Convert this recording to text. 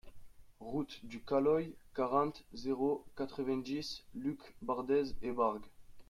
Route du Caloy, quarante, zéro quatre-vingt-dix Lucbardez-et-Bargues